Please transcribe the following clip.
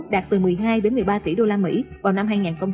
đạt từ một mươi hai một mươi ba tỷ usd vào năm hai nghìn hai mươi